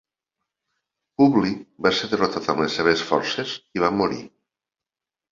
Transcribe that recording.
Publi va ser derrotat amb les seves forces i va morir.